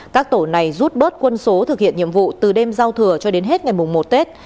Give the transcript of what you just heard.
các tổ này rút bớt quân số thực hiện nhiệm vụ từ đêm giao thừa cho đến hết ngày mùng một tết